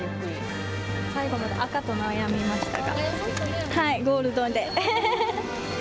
最後まで赤と悩みましたが、ゴールドで。